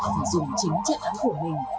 và dùng chính chế thắng của mình